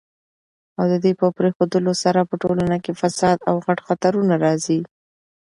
او ددي په پريښودلو سره په ټولنه کي فساد او غټ خطرونه راځي